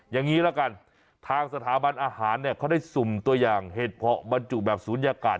อย่างนี้ละกันทางสถาบันอาหารเนี่ยเขาได้สุ่มตัวอย่างเห็ดเพาะบรรจุแบบศูนยากาศ